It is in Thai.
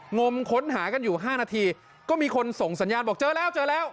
งมค้นหากันอยู่๕นาทีก็มีคนส่งสัญญาณบอกเจอแล้วเจอแล้ว